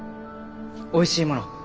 おいしいもの